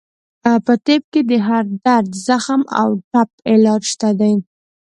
په طب کې د هر درد، زخم او ټپ علاج شته دی.